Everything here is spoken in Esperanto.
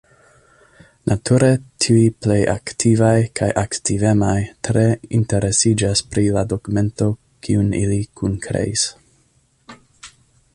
Nature tiuj plej aktivaj kaj aktivemaj tre interesiĝas pri la dokumento, kiun ili kunkreis.